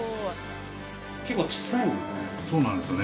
結構小さいんですね。